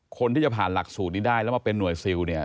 คนที่จะผ่านหลักสูตรนี้ได้แล้วมาเป็นหน่วยซิลเนี่ย